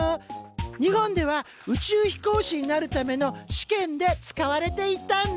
日本では宇宙飛行士になるための試験で使われていたんだ。